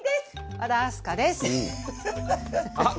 和田明日香です。